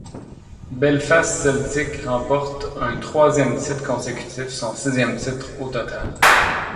Belfast Celtic remporte un troisième titre consécutif, son sixième titre au total.